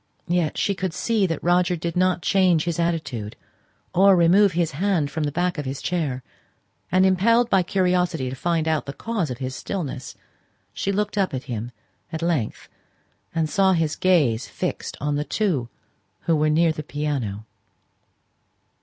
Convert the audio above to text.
Yet she could see that Roger did not change his attitude or remove his hand from the back of his chair, and, impelled by curiosity to find out the cause of his stillness, she looked up at him at length, and saw his gaze fixed on the two who were near the piano.